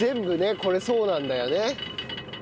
これそうなんだよね。